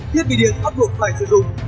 tiết bị điện hấp hụt phải sử dụng